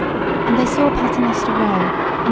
And they saw Paternoster Row and No.